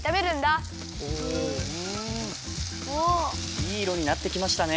いいいろになってきましたね。